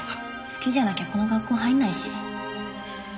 好きじゃなきゃこの学校入んないし。